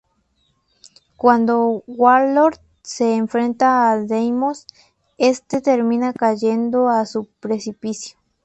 Cuando Warlord se enfrenta a Deimos, este termina cayendo a un precipicio.